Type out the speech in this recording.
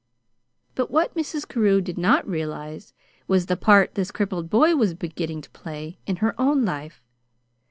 But what Mrs. Carew did not realize was the part this crippled boy was beginning to play in her own life.